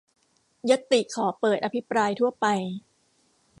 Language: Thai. ญัตติขอเปิดอภิปรายทั่วไป